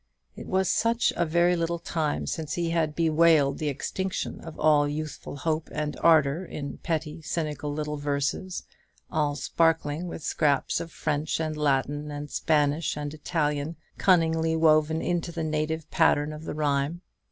It was such a very little time since he had bewailed the extinction of all youthful hope and ardour in pretty cynical little verses, all sparkling with scraps of French and Latin, and Spanish and Italian, cunningly woven into the native pattern of the rhyme.